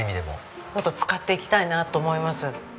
もっと使っていきたいなと思います。